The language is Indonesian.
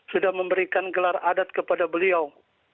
sudah memberikan gelar adat kepada beliau